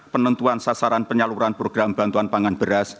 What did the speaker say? penentuan sasaran penyaluran program bantuan pangan beras